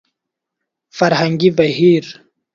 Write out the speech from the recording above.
فرهنګي بهير